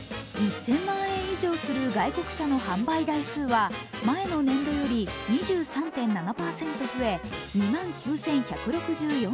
１０００万円以上する外国車の販売台数は前の年度より２３．７％増え２万９１６４台。